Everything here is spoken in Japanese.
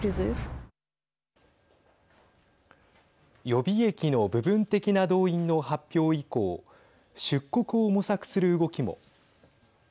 予備役の部分的な動員の発表以降出国を模索する動きも。